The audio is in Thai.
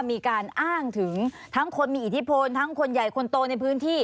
มีการอ้างถึงทั้งคนมีอิทธิพลทั้งคนใหญ่คนโตในพื้นที่